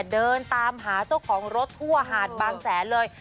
เดินตามหาเจ้าของรถทั่วหาดบางแสนเลย